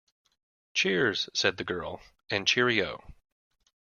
Cheers, said the girl, and cheerio